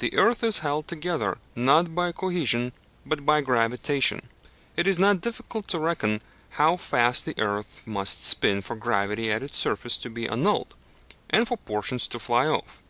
The earth is held together not by cohesion but by gravitation; it is not difficult to reckon how fast the earth must spin for gravity at its surface to be annulled, and for portions to fly off.